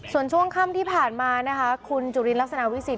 ส่วนช่วงค่ำที่ผ่านมานะคะคุณจุลินลักษณะวิสิท